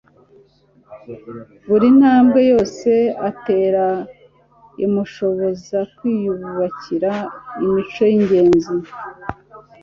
buri ntambwe yose atera, imushoboza kwiyubakira imico y'ingenzi